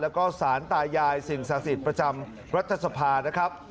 แล้วก็สารตายายสิ่งศักดิ์สิทธิ์ประจำรัฐสภานะครับ